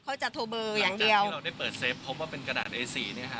เขาจะโทรเบอร์อย่างเดียวที่เราได้เปิดเซฟพบว่าเป็นกระดาษเอสีเนี่ยฮะ